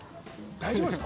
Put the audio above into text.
大丈夫です。